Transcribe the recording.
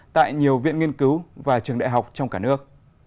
tại nhiều viện nghiên cứu và trường đại học trong cả nước